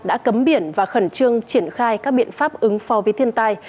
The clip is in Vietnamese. đã cấm biển và khẩn trương triển khai các biện pháp ứng phó với thiên tai